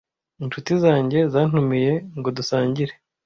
Inshuti zanjye zantumiye ngo dusangire.